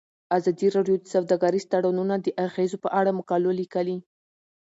ازادي راډیو د سوداګریز تړونونه د اغیزو په اړه مقالو لیکلي.